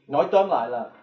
nói tóm lại là